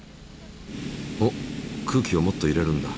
おっ空気をもっと入れるんだ。